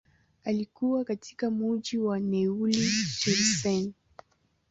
Alikua katika mji wa Neuilly-sur-Seine.